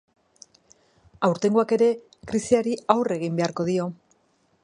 Aurtengoak ere krisiari aurre egin beharko dio.